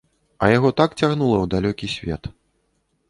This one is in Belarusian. А яго так цягнула ў далёкі свет.